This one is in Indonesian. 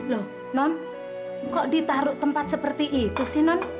loh non kok ditaruh tempat seperti itu sih non